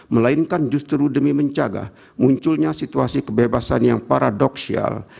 melainkan justru demi menjaga munculnya situasi kebebasan yang paradoxial